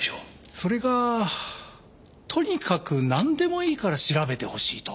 それがとにかくなんでもいいから調べてほしいと。